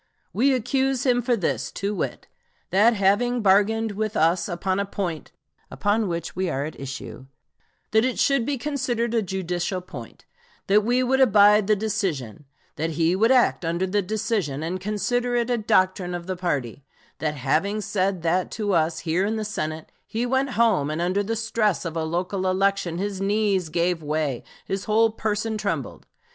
We accuse him for this, to wit: that having bargained with us upon a point upon which we were at issue, that it should be considered a judicial point; that he would abide the decision; that he would act under the decision, and consider it a doctrine of the party; that having said that to us here in the Senate, he went home, and under the stress of a local election, his knees gave way; his whole person trembled.